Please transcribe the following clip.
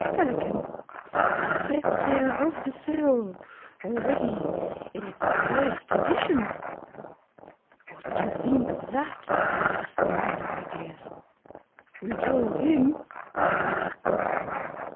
Pelican THE DYSPEPSIA OF THE SOUL Already in its first edition. "What do you think of that?" asked the man of ideas. We told him.